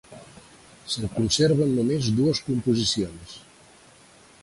Se'n conserven només dues composicions.